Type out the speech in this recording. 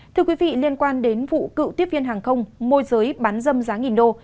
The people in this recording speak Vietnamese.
thưa quý vị liên quan đến vụ cựu tiếp viên hàng không môi giới bán dâm giá nghìn đô